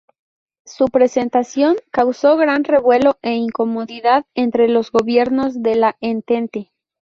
Su presentación causó gran revuelo e incomodidad entre los gobiernos de la Entente.